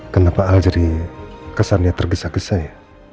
kenapa al jadi kesannya tergesa gesa ya